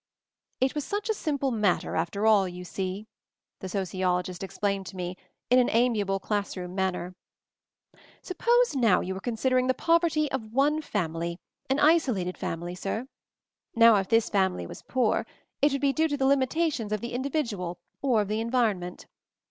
"It was such a simple matter, after all, you see," the sociologist explained to me, in an amiable class room manner. "Suppose now you were considering the poverty of one family, an isolated family, sir. Now, if this family was poor, it would be due to the limitations of the individual or of the environment.